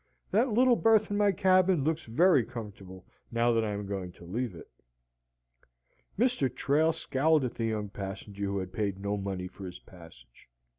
That little berth in my cabin looks very comfortable now I am going to leave it." Mr. Trail scowled at the young passenger who had paid no money for his passage.